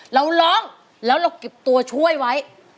เราร้องแล้วเราเก็บตัวช่วยไว้